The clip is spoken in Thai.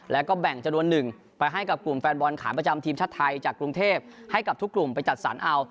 แล้วก็แบ่งจำนวนหนึ่งไปให้กับกลุ่มแฟนบอลขายประจำทีมชาติไทยจากกรุงเทพให้กับทุกกลุ่มไปจัดสรรเอา